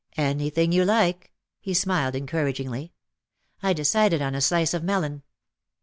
"Any thing you like," he smiled encouragingly. I decided on a slice of melon.